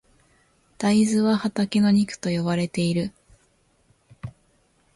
大豆は畑の肉と呼ばれている。